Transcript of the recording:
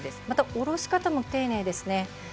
また下ろし方も丁寧ですね。